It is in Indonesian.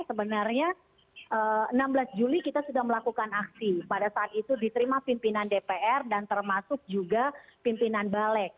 sebenarnya enam belas juli kita sudah melakukan aksi pada saat itu diterima pimpinan dpr dan termasuk juga pimpinan balik